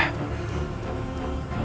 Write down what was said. kita tidak punya banyak waktu